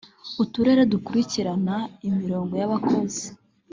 uturere dukurikirana imihigo y’ abakozi .